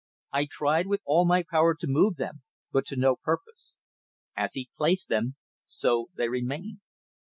I tried with all my power to move them, but to no purpose. As he placed them, so they remained.